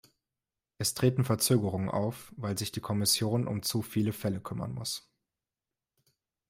Es treten Verzögerungen auf, weil sich die Kommission um zu viele Fälle kümmern muss.